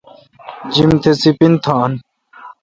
جیم تہ سیپین تھان۔